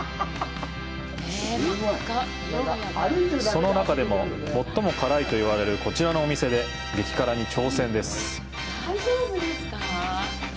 その中でも最も辛いと言われるこちらのお店で激辛に挑戦です！